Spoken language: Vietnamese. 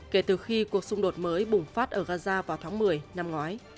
kể từ khi cuộc xung đột mới bùng phát ở gaza vào tháng một mươi năm ngoái